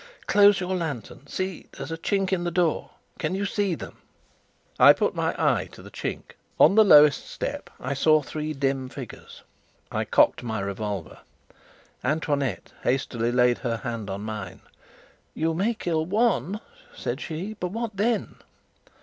"Close your lantern. See, there's a chink in the door. Can you see them?" I put my eye to the chink. On the lowest step I saw three dim figures. I cocked my revolver. Antoinette hastily laid her hand on mine. "You may kill one," said she. "But what then?"